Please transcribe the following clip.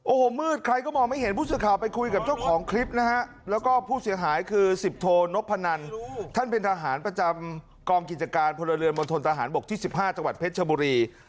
โอ้โหมืดใครก็มองไม่เห็นผู้สื่อข่าวไปคุยกับเจ้าของคลิปนะฮะแล้วก็ผู้เสียหายคือสิบโทนพนันท่านเป็นทหารประจำกองกิจการพลเรือนมณฑนทหารบกที่๑๕จังหวัดเพชรชบุรี